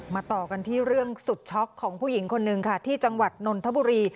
ต่อกันที่เรื่องสุดช็อกของผู้หญิงคนหนึ่งค่ะที่จังหวัดนนทบุรี